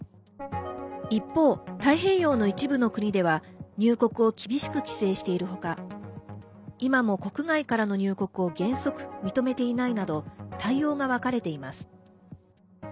一方、太平洋の一部の国では入国を厳しく規制しているほか今も国外からの入国を原則、認めていないなど対応が分かれています。